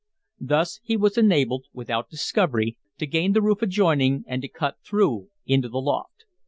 Thus he was enabled, without discovery, to gain the roof adjoining and to cut through into the loft.